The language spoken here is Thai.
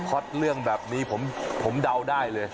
ตเรื่องแบบนี้ผมเดาได้เลย